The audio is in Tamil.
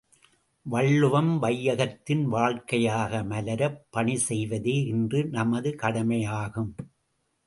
வள்ளுவம் வையகத்தின் வாழ்க்கையாக மலரப் பணி செய்வதே இன்று நமது கடமையாகும்.